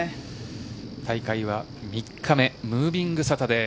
大会は３日目ムービングサタデー。